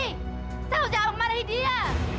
saya tahu saya memilih dia